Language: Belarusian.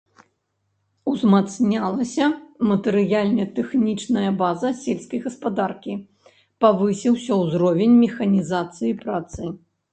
Узмацнялася матэрыяльна-тэхнічная база сельскай гаспадаркі, павысіўся ўзровень механізацыі працы.